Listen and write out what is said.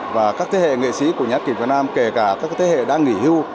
và các thế hệ nghệ sĩ của nhà hát kịch việt nam kể cả các thế hệ đang nghỉ hưu